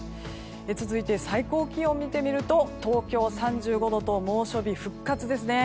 続いて最高気温を見てみると東京３５度と猛暑日復活ですね。